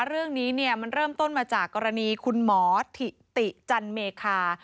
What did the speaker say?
เรื่องนี้มันเริ่มต้นมาจากกรณีคุณหมอถิติจันเมคา